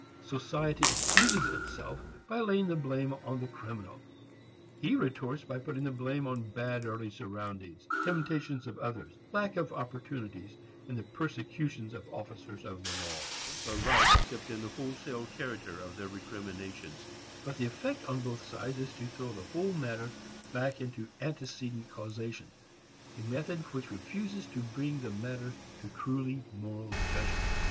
Society excuses itself by laying the blame on the criminal; he retorts by putting the blame on bad early surroundings, the temptations of others, lack of opportunities, and the persecutions of officers of the law. Both are right, except in the wholesale character of their recriminations. But the effect on both sides is to throw the whole matter back into antecedent causation, a method which refuses to bring the matter to truly moral judgment.